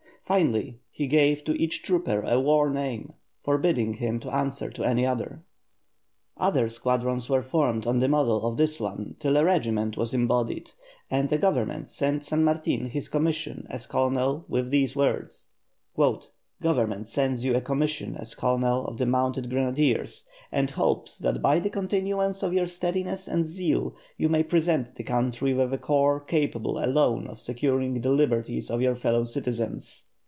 Finally, he gave to each trooper a war name, forbidding him to answer to any other. Other squadrons were formed on the model of this one till a regiment was embodied, and Government sent San Martin his commission as colonel with these words: "Government sends you a commission as colonel of the mounted grenadiers, and hopes that by the continuance of your steadiness and zeal you may present the country with a corps capable alone of securing the liberties of your fellow citizens."